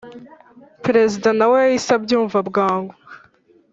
perezida na we yahise abyumva bwangu.